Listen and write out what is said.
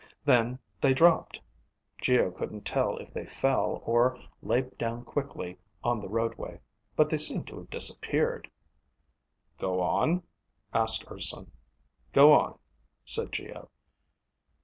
Then they dropped. Geo couldn't tell if they fell, or lay down quickly on the roadway. But they seemed to have disappeared. "Go on?" asked Urson. "Go on," said Geo.